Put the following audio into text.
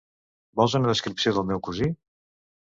Vols una descripció del meu cosí?